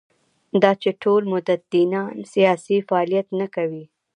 دا چې ټول متدینان سیاسي فعالیت نه کوي.